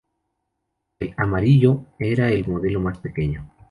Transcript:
El "Amarillo" era el modelo más pequeño.